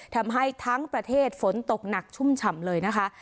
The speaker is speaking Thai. ทำให้ทั้งประเทศฝนตกหนักชุ่มฉ่ำเลยนะคะ